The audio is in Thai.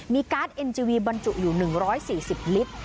มีการ์ดเอนจีวีบรรจุอยู่หนึ่งร้อยสี่สิบลิตร